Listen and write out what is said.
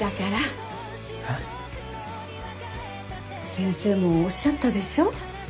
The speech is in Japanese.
先生もおっしゃったでしょ？